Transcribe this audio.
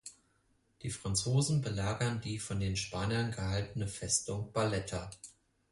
Die Franzosen belagern die von den Spaniern gehaltene Festung Barletta.